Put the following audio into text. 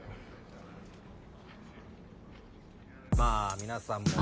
まあ皆さんも。